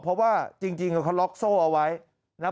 เพราะว่าจริงเขาล็อกโซ่เอาไว้นะครับ